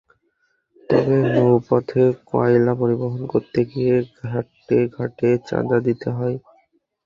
তবে নৌপথে কয়লা পরিবহন করতে গিয়ে ঘাটে ঘাটে চাঁদা দিতে হয়।